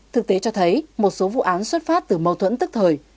thực tế cho thấy một số vụ án xuất phát từ mâu thuẫn tức thời